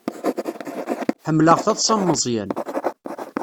Ḥemmleɣ taḍsa n Meẓyan.